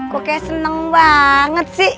kok kayak seneng banget sih